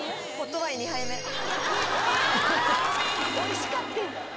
おいしかってん。